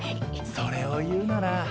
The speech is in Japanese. それを言うなら。